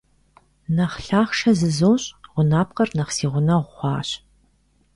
Нэхъ лъахъшэ зызощӀ — гъунапкъэр нэхъ си гъунэгъу хъуащ.